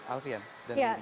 alvian dan lady